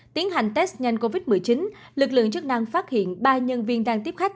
tiến hành test nhanh covid một mươi chín lực lượng chức năng phát hiện ba nhân viên đang tiếp khách